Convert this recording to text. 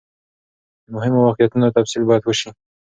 د مهمو واقعیتونو تفصیل باید وسي.